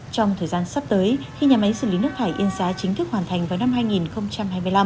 trong thời gian sắp tới khi nhà máy xử lý nước thải yên xá chính thức hoàn thành vào năm hai nghìn hai mươi năm